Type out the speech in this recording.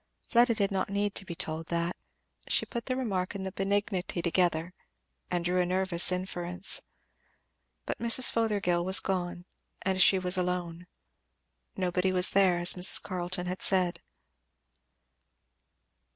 Fleda did not need to be told that; she put the remark and the benignity together, and drew a nervous inference. But Mrs. Fothergill was gone and she was alone. Nobody was there, as Mrs. Carleton had said.